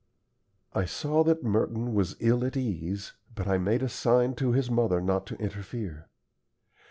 I saw that Merton was ill at ease, but I made a sign to his mother not to interfere.